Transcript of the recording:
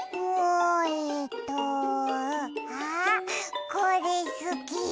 えとあっこれすき。